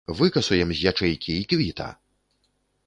Выкасуем з ячэйкі, й квіта!